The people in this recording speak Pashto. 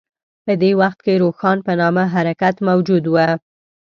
په دې وخت کې روښان په نامه حرکت موجود و.